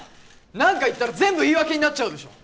何か言ったら全部言い訳になっちゃうでしょ！